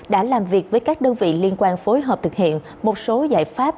đã làm việc với các đơn vị liên quan phối hợp thực hiện một số giải pháp